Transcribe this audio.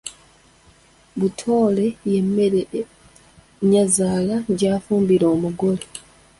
Butolere y’emmere nyazaala gy’afumbira omugole.